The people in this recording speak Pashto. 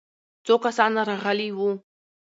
څو کسان راغلي وو؟